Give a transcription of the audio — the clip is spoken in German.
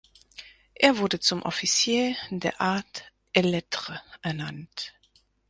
Er wurde zum Officier des Art et Lettres ernannt.